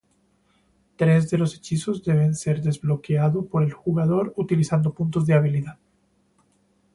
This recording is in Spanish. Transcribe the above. Tres de los hechizos deben ser desbloqueado por el jugador utilizando puntos de habilidad.